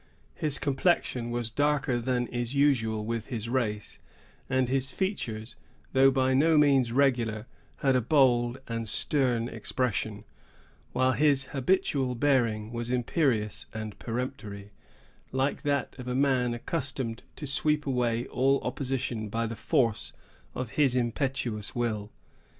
His complexion was darker than is usual with his race, and his features, though by no means regular, had a bold and stern expression; while his habitual bearing was imperious and peremptory, like that of a man accustomed to sweep away all opposition by the force of his impetuous will.